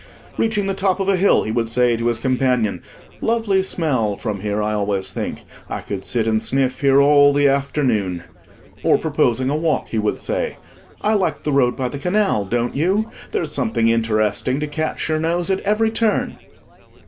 Reaching the top of a hill, he would say to his companion—"Lovely smell from here, I always think; I could sit and sniff here all the afternoon." Or, proposing a walk, he would say—"I like the road by the canal, don't you? There's something interesting to catch your nose at every turn.")